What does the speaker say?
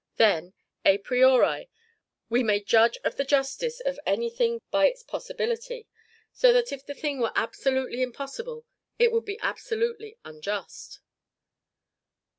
Then, a priori, we may judge of the justice of any thing by its possibility; so that if the thing were absolutely impossible, it would be absolutely unjust.